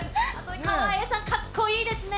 川栄さん、かっこいいですね。